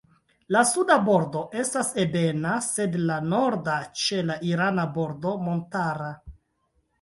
La suda bordo estas ebena, sed la norda ĉe la irana bordo montara.